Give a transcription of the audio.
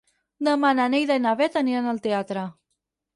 Demà na Neida i na Bet aniran al teatre.